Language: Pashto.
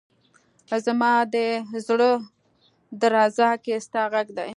زما ده زړه درزا کي ستا غږ دی